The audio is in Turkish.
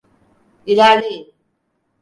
İlerleyin!